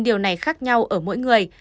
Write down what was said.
điều này khác nhau ở mỗi người